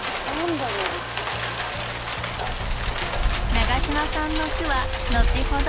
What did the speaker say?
永島さんの句は後ほど。